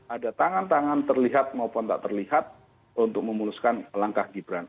ada tangan tangan terlihat maupun tak terlihat untuk memuluskan langkah gibran